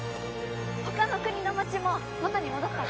他の国の街も元に戻ったって！